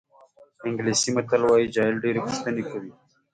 انګلیسي متل وایي جاهل ډېرې پوښتنې کوي.